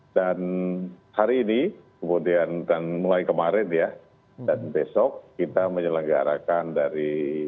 dan hari ini kemudian mulai kemarin ya dan besok kita menjelanggarakan dari